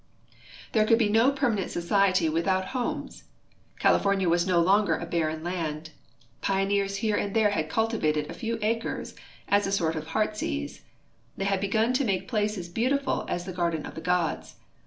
There could be no ])ermanent society Avithout homes. California Avas no longer a barren land. Pioneers here and there had cultivated a fcAV acres as a sort of heartsease. They had begun to make ])laces beautiful as the garden of the gods.